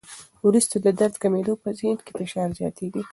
وروسته د درد کمېدو، پر ذهن فشار زیاتېږي.